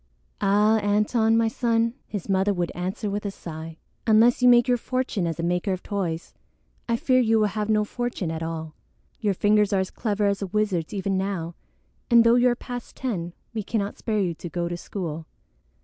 "Ah, Antone, my son," his mother would answer with a sigh, "unless you make your fortune as a maker of toys, I fear you will have no fortune at all. Your fingers are as clever as a wizard's even now; and though you are past ten, we cannot spare you to go to school."